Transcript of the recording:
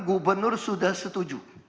gubernur sudah setuju